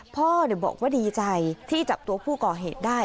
พ่อบอกว่าดีใจที่จับตัวผู้ก่อเหตุได้